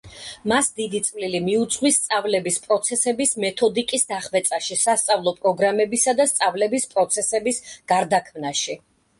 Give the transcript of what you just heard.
მას დიდი წვლილი მიუძღვის სწავლების პროცესების მეთოდიკის დახვეწაში, სასწავლო პროგრამებისა და სწავლების პროცესების გარდაქმნაში.